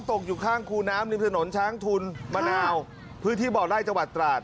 ตกอยู่ข้างคูน้ำริมถนนช้างทุนมะนาวพื้นที่บ่อไล่จังหวัดตราด